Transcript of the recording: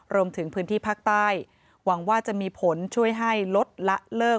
รวมถึงพื้นที่ภาคใต้หวังว่าจะมีผลช่วยให้ลดละเลิก